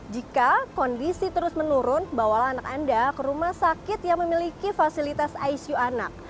jika kondisi terus menurun bawalah anak anda ke rumah sakit yang memiliki fasilitas icu anak